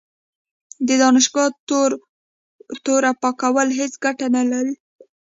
د دانشګاه توره پاکول هیڅ ګټه نه لري.